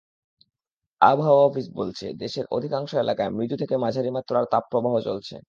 আবহাওয়া অফিস বলেছে, দেশের অধিকাংশ এলাকায় মৃদু থেকে মাঝারি মাত্রার তাপপ্রবাহ চলছে।